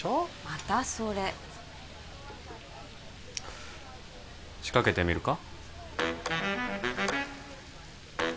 またそれ仕掛けてみるか？